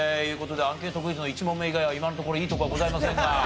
アンケートクイズの１問目以外は今のところいいとこはございませんが。